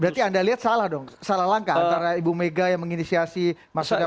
berarti anda lihat salah dong salah langkah antara ibu mega yang menginisiasi masyarakat